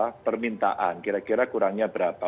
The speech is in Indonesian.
kita meminta permintaan kira kira kurangnya berapa